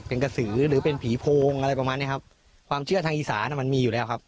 เป็นกระสือหรือเป็นผีโพงอะไรประมาณเนี้ยครับความเชื่อทางอีสานะมันมีอยู่แล้วครับ